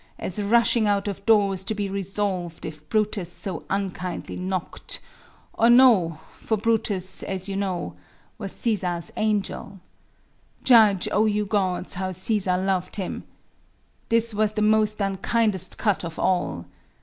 As rushing out of doors, to be resolv'd If Brutus so unkindly knock'd, or no; For Brutus, as you know, was Cæsar's angel: Judge, O you Gods, how Cæsar lov'd him! This was the most unkindest cut of all!